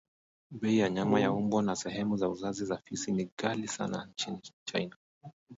bei ya nyama ya mbwa na sehemu za uzazi wa fisi ni ghali sana nchini China